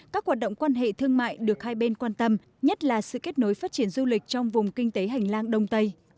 các hoạt động quan hệ thương mại được hai bên quan tâm nhất là sự kết nối phát triển du lịch trong vùng kinh tế hành lang đông tây